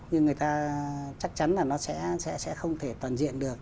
nhưng người ta chắc chắn là nó sẽ không thể toàn diện được